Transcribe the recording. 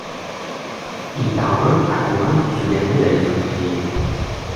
Il parvient à convaincre ce dernier d'aller s'inscrire.